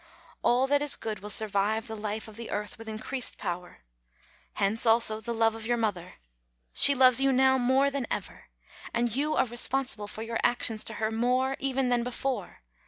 All that is good will survive the life of the earth with increased power. Hence, also, the love of your mother. She loves you now more than ever. And you are responsible for your actions to her more, even, than before.